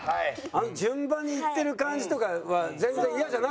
あの順番にいってる感じとかは全然イヤじゃなかったんだ？